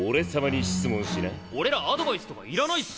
俺らアドバイスとかいらないっす。